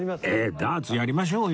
ダーツやりましょうよ